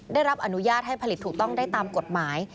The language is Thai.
ได้รับอนุญาตให้ผลิตถูกต้องได้ตามกฎหมาย